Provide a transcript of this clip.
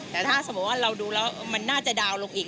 แต่ถ้าสมมุติว่าเราดูแล้วมันน่าจะดาวนลงอีก